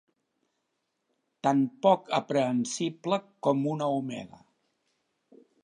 Tan poc aprehensible com una omega.